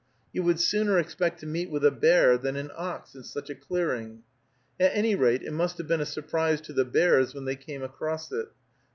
You would sooner expect to meet with a bear than an ox in such a clearing. At any rate, it must have been a surprise to the bears when they came across it.